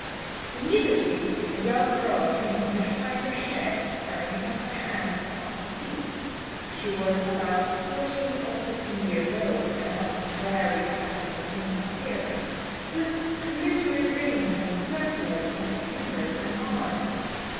Immediately a young girl came from behind the shed, carrying in her hands a pot of tea. She was about fourteen or fifteen years old, and of very fascinating appearance, with glittering rings and bracelets on her fingers and arms.